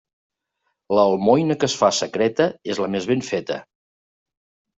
L'almoina que es fa secreta és la més ben feta.